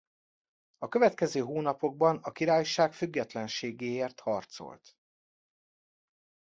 A következő hónapokban a királyság függetlenségéért harcolt.